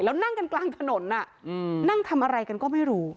แล้วนั่งกันกลางถนนนั่งทำอะไรกันก็ไม่รู้